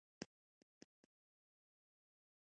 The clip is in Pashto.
سور غول د تازه وینې اشاره کوي.